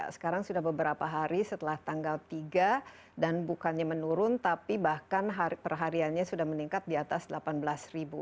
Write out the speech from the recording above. sekarang sudah beberapa hari setelah tanggal tiga dan bukannya menurun tapi bahkan perhariannya sudah meningkat di atas delapan belas ribu